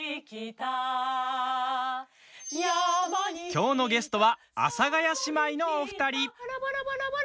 きょうのゲストは阿佐ヶ谷姉妹のお二人。